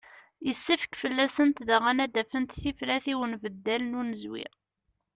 Yessefk fell-asent daɣen ad d-afent tifrat i unbeddal n unezwi.